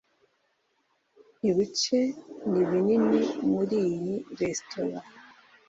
Ibice ni binini muri iyi resitora.